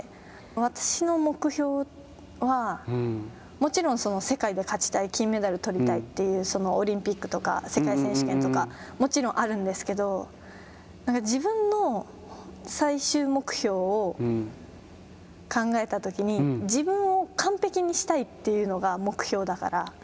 私の目標は、もちろん世界で勝ちたい金メダル取りたいというそのオリンピックとか、世界選手権とか、もちろんあるんですけど自分の最終目標を考えたときに自分を完璧にしたいというのが目標だから。